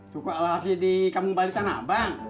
toko alhapsi di kampung bali kan abang